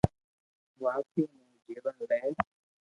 واپسي نوو جيون لئي